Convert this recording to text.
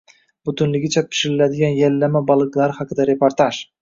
Butunligicha pishiriladigan Yallama baliqlari haqida reportaj